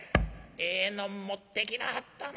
ええのん持ってきなはったな。